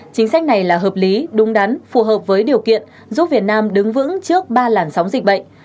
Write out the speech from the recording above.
chính sách này là hợp lý đúng đắn phù hợp với điều kiện giúp việt nam đứng vững trước ba làn sóng dịch bệnh